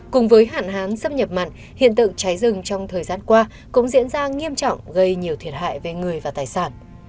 cùng với hạn hán xâm nhập mặn hiện tượng cháy rừng trong thời gian qua cũng diễn ra nghiêm trọng gây nhiều thiệt hại về người và tài sản